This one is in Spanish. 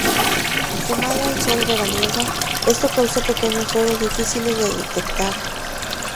Sumado al sol veraniego, esto causó pequeños fuegos difíciles de detectar.